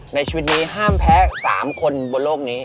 ในชีวิตนี้ห้ามแพ้๓คนบนโลกนี้